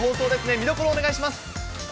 見どころお願いします。